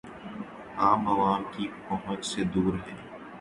عام عوام کی پہنچ سے دور ہے